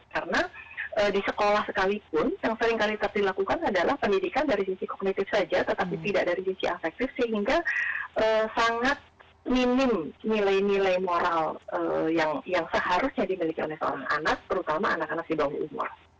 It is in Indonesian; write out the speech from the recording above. karena di sekolah sekalipun yang seringkali terlalu dilakukan adalah pendidikan dari sisi kognitif saja tetapi tidak dari sisi afektif sehingga sangat minim nilai nilai moral yang seharusnya dimiliki oleh seorang anak terutama anak anak di bawah umur